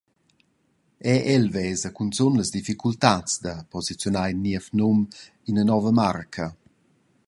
Era el vesa cunzun las difficultads da posiziunar in niev num, ina nova marca.